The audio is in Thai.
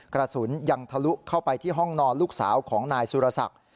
กระสุนยังทะลุเข้าไปที่ห้องนอนลูกสาวของนายสุรศักดิ์